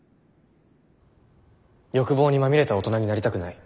欲望にまみれた大人になりたくない。